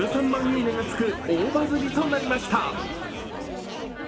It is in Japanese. いいねがつく大バズりとなりました。